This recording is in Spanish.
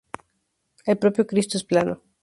El propio Cristo es plano.